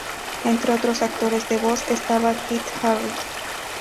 Entre otros actores de voz estaba Kit Harris.